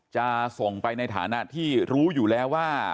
จะส่งไปในฐานะที่รู้อยู่แล้วว่า